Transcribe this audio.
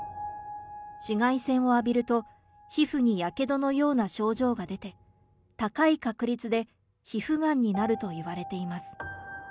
紫外線を浴びると皮膚にやけどのような症状が出て、高い確率で皮膚がんになるといわれています。